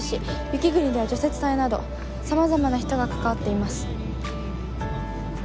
雪国では除雪隊など様々な人が関わっています。